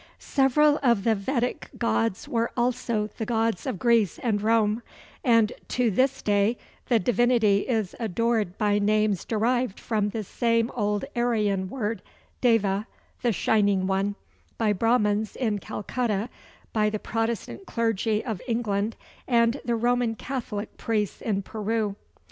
Several of the Vedic gods were also the gods of Greece and Rome; and to this day the Divinity is adored by names derived from the same old Aryan word (deva, the Shining One), by Brahmans in Calcutta, by the Protestant clergy of England, and by Roman Catholic priests in Peru.